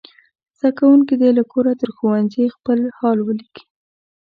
زده کوونکي دې له کوره تر ښوونځي خپل حال ولیکي.